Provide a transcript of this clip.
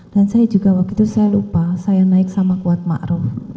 dan saya juga waktu itu saya lupa saya naik sama kuat makruh